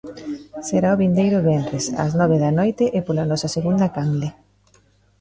Será o vindeiro venres, ás nove da noite, e pola nosa segunda canle.